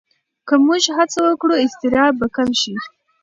که موږ هڅه وکړو، اضطراب به کم شي.